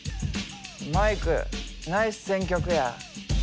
マイクナイス選曲や。